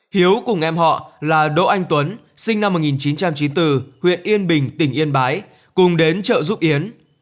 hiếu cùng em họ là đỗ anh tuấn sinh năm một nghìn chín trăm chín mươi bốn huyện yên bình tỉnh yên bái cùng đến chợ giúp yến